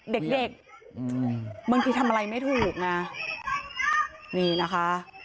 เด็กบางทีทำอะไรไม่ถูกน่ะนี่นะคะ